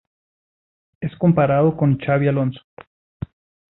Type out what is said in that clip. Es comparado con Xabi Alonso.